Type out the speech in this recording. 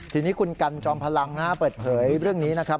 ทีนี้คุณกันจอมพลังเปิดเผยเรื่องนี้นะครับ